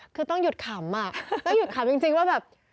คือต้องหยุดขำอ่ะต้องหยุดขำจริงว่าแบบ